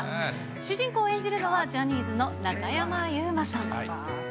主人公を演じるのは、ジャニーズの中山優馬さん。